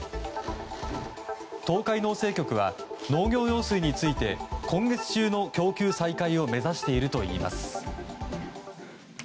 東海農政局は農業用水について今月中の供給再開を目指しているといいます。